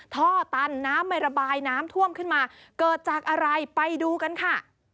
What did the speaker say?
ท่อตันน้ำไม่ระบายน้ำท่วมขึ้นมาเกิดจากอะไรไปดูกันค่ะ